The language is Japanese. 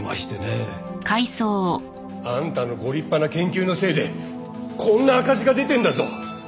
あんたのご立派な研究のせいでこんな赤字が出てるんだぞ！